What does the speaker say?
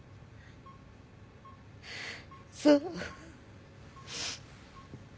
そう。